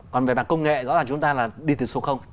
còn về mặt công nghệ rõ ràng chúng ta là đi từ số